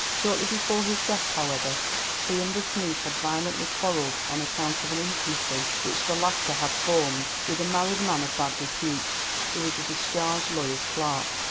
Shortly before his death, however, he and this niece had violently quarrelled on account of an intimacy which the latter had formed with a married man of bad repute, who was a discharged lawyer's clerk.